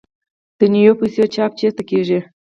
د نویو پیسو چاپ چیرته کیږي؟